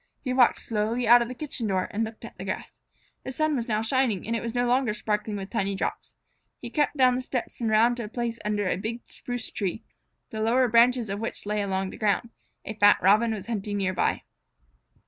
He walked slowly out of the kitchen door and looked at the grass. The sun was now shining, and it was no longer sparkling with tiny drops. He crept down the steps and around to a place under a big spruce tree, the lower branches of which lay along the ground. A fat Robin was hunting near by.